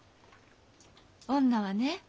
女はね